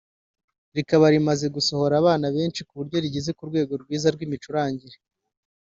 rikaba rimaze gusohora abana benshi ku buryo bageze ku rwego rwiza rw’imicurangire